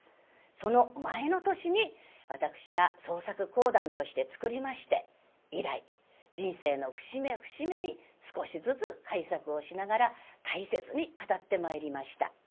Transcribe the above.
その前の年に私が創作講談として作りまして以来人生の節目節目に少しずつ改作をしながら大切に語ってまいりました。